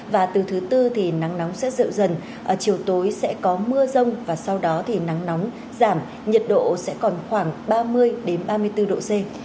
và từ thứ tư thì nắng nóng sẽ dịu dần chiều tối sẽ có mưa rông và sau đó thì nắng nóng giảm nhiệt độ sẽ còn khoảng ba mươi ba mươi bốn độ c